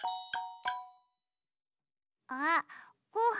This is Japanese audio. あごはん。